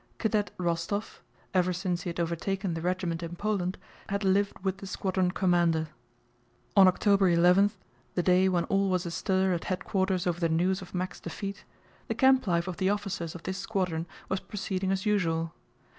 Cadet Rostóv, ever since he had overtaken the regiment in Poland, had lived with the squadron commander. On October 11, the day when all was astir at headquarters over the news of Mack's defeat, the camp life of the officers of this squadron was proceeding as usual.